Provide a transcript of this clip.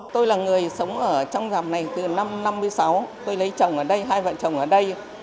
tôi là người sống ở trong dạp này từ năm một nghìn chín trăm năm mươi sáu tôi lấy chồng ở đây hai vợ chồng ở đây